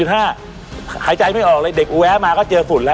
ถ้าหายใจไม่ออกเลยเด็กแวะมาก็เจอฝุ่นแล้ว